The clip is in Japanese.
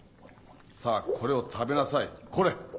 さぁこれを食べなさいコレっ！